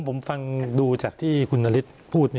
ผมฟังดูจากที่คุณนฤทธิ์พูด